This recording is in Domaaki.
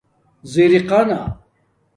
ژِکآنہ